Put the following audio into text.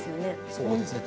そうですね。